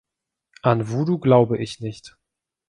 An Voodoo glaube ich nicht.